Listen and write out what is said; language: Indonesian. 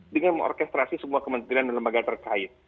dengan mengorkestrasi semua kementerian dan lembaga terkait